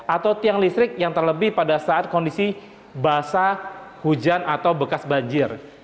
atau tiang listrik yang terlebih pada saat kondisi basah hujan atau bekas banjir